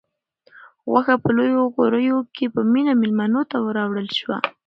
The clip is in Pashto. غوښه په لویو غوریو کې په مینه مېلمنو ته راوړل شوه.